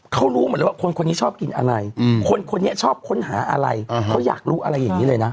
เขารู้หมดเลยว่าคนคนนี้ชอบกินอะไรคนคนนี้ชอบค้นหาอะไรเขาอยากรู้อะไรอย่างนี้เลยนะ